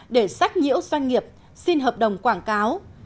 để sách nhiễu doanh nghiệp xin hợp đồng quảng cáo